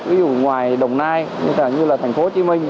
ví dụ ngoài đồng nai như là thành phố hồ chí minh